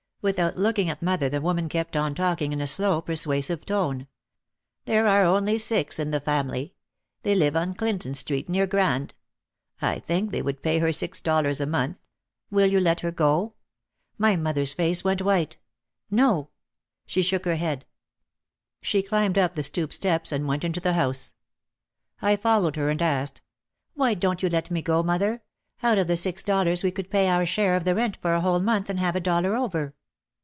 Without looking at mother the woman kept on talking in a slow persuasive tone. "There are only six in the family. They live on Clinton Street near Grand. I think they would pay her six dollars a month. Will you let her go?" My mother's face was white. "No!" she shook her OUT OF THE SHADOW 159 head. She climbed up the stoop steps and went into the house. I followed her and asked, "Why don't you let me go, mother? Out of the six dollars we could pay our share of the rent for a whole month and have a dollar over.